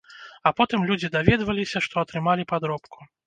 А потым людзі даведваліся, што атрымалі падробку.